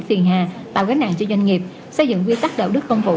phiền hà tạo gánh nặng cho doanh nghiệp xây dựng quy tắc đạo đức công vụ